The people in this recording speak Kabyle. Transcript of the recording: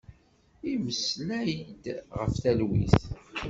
Immeslay-d ɣef talwit.